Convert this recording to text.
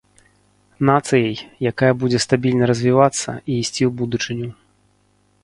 Нацыяй, якая будзе стабільна развівацца і ісці ў будучыню.